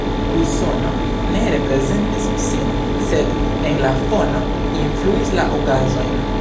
Usono ne reprezentis sin, sed en la fono influis la okazojn.